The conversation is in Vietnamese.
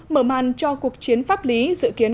mở màn cho cuộc chiến pháp lý dự kiến